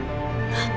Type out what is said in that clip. あっ！